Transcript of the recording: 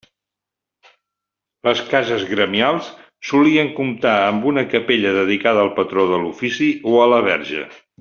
Les cases gremials solien comptar amb una capella dedicada al patró de l'ofici o a la Verge.